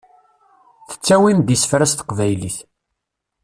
Tettawim-d isefra s teqbaylit.